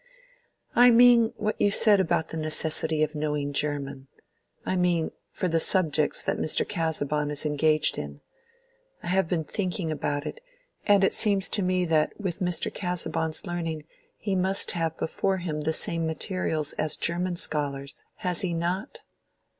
"I mean what you said about the necessity of knowing German—I mean, for the subjects that Mr. Casaubon is engaged in. I have been thinking about it; and it seems to me that with Mr. Casaubon's learning he must have before him the same materials as German scholars—has he not?"